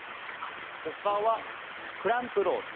他はクランプロール。